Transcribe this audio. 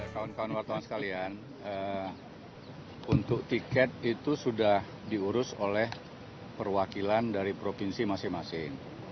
kawan kawan wartawan sekalian untuk tiket itu sudah diurus oleh perwakilan dari provinsi masing masing